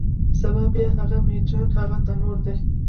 سبا بیا هغه میچن، هغه تنور دی